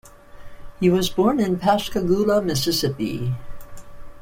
He was born in Pascagoula, Mississippi.